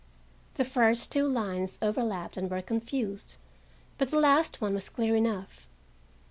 The first two lines overlapped and were confused, but the last one was clear enough.